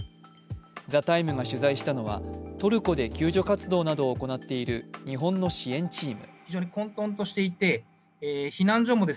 「ＴＨＥＴＩＭＥ，」が取材したのはトルコで救助活動などを行っている日本の支援チーム。